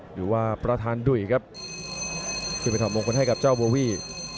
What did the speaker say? หรือว่าประธานดุ่ยครับขึ้นไปถอดมงคลให้กับเจ้าโบวี่